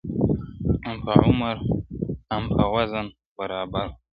هم په عمر هم په وزن برابر وه!.